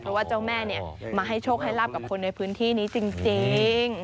เพราะว่าเจ้าแม่มาให้โชคให้ลาบกับคนในพื้นที่นี้จริง